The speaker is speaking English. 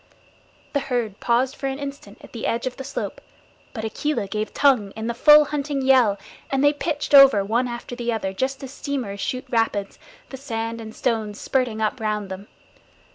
The herd paused for an instant at the edge of the slope, but Akela gave tongue in the full hunting yell, and they pitched over one after the other, just as steamers shoot rapids, the sand and stones spurting up round them.